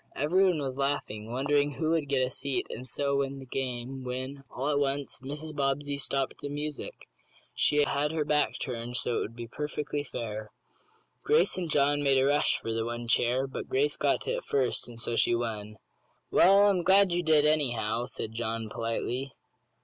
Everyone was laughing, wondering who would get a seat and so win the game, when, all at once, Mrs. Bobbsey stopped the music. She had her back turned so it would be perfectly fair. Grace and John made a rush for the one chair, but Grace got to it first, and so she won. "Well, I'm glad you did, anyhow," said John, politely.